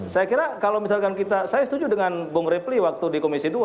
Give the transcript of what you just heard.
saya kira kalau misalkan kita saya setuju dengan bung repli waktu di komisi dua